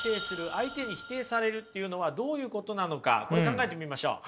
「相手に否定される」っていうのはどういうことなのかこれ考えてみましょう。